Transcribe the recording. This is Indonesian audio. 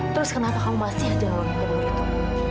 terus kenapa kamu masih aja ngomong ngomong itu